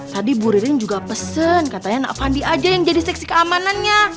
tadi bu ririn juga pesen katanya nak fandi aja yang jadi seksi keamanannya